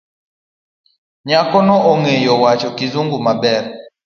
Nyakono ongeyo wacho kisungu maber.